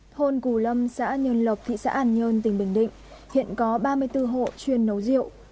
thôn củ lâm xã nhân lập thị xã ản nhơn tỉnh bình định hiện có ba mươi bốn hộ chuyên nấu rượu